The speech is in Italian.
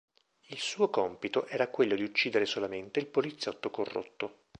Il suo compito era quello di uccidere solamente il poliziotto corrotto.